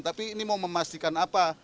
tapi ini mau memastikan apa